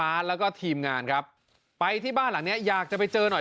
แล้วก็ทีมงานครับไปที่บ้านหลังเนี้ยอยากจะไปเจอหน่อย